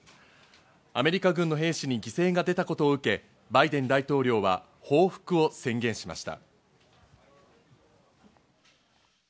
アメリカ軍の兵士に犠牲が出たことを受け、バイデン大統領は報復を宣言しました。